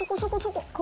ここ？